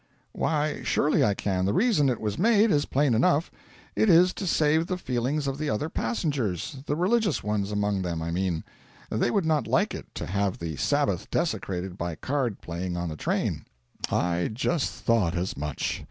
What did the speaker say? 'Why, surely I can. The reason it was made is plain enough. It is to save the feelings of the other passengers the religious ones among them, I mean. They would not like it to have the Sabbath desecrated by card playing on the train.' 'I just thought as much.